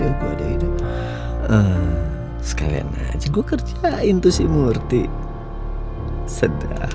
oh ya gua ada ide ide sekalian aja gua kerjain tuh si murti sedap